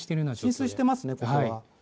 浸水してますね、こちら側。